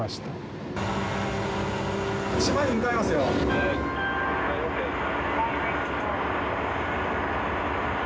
はいＯＫです。